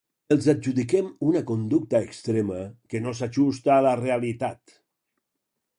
Els adjudiquem una conducta extrema que no s'ajusta a la realitat.